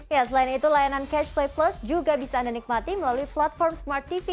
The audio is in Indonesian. ya selain itu layanan catch play plus juga bisa anda nikmati melalui platform smart tv